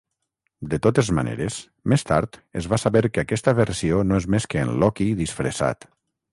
De totes maneres, més tard es va saber que aquesta versió no és més que en Loki disfressat.